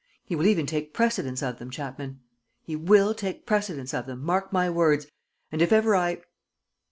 ... He will even take precedence of them, Chapman; he will, take precedence of them, mark my words ... and, if ever I